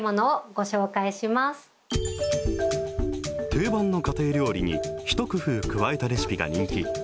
定番の家庭料理に一工夫加えたレシピが人気。